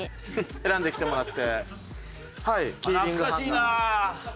選んできてもらって。